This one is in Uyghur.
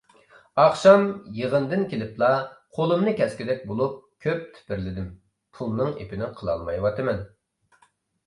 ئاخشام يىغىندىن كېلىپلا قولۇمنى كەسكۈدەك بولۇپ كۆپ تېپىرلىدىم، پۇلنىڭ ئېپىنى قىلالمايۋاتىمەن.